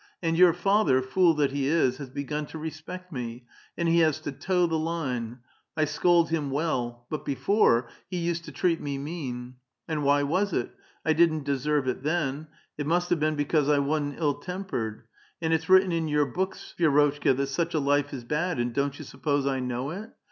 And your father, fool that he is, has begun to respect me, and he has to toe the line. I scold him well. But before, he used to treat me mean. And why was it? I didn't desei*ve it then. It must have been because I wa'n't ill tempered. And it's written in your books, Vi^rotchka, that such a life is bad, and don't you suppose I know it?